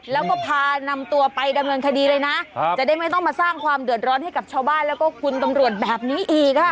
แล้วก็พานำตัวไปดำเนินคดีเลยนะจะได้ไม่ต้องมาสร้างความเดือดร้อนให้กับชาวบ้านแล้วก็คุณตำรวจแบบนี้อีกค่ะ